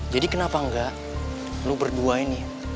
jadi kenapa nggak lo berdua ini